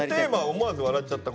「思わず笑っちゃったこと」。